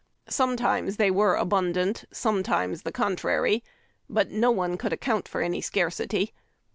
Sometimes they were abundant, sometimes the contrary ; but no one could account for a scarcity.